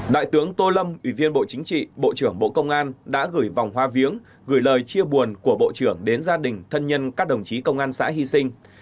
đại tướng tô lâm ủy viên bộ chính trị bộ trưởng bộ công an đã gửi vòng hoa viếng gửi lời chia buồn của bộ trưởng đến gia đình thân nhân các đồng chí công an xã hy sinh